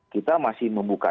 kita masih membuka